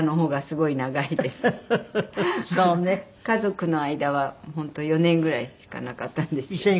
家族の間は本当４年ぐらいしかなかったんですけど。